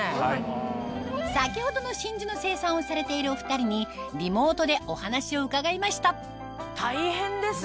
先ほどの真珠の生産をされているお２人にリモートでお話を伺いました大変ですね。